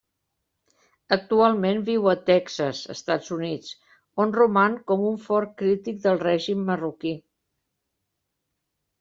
Actualment viu a Texas, Estats Units, on roman com un fort crític del règim marroquí.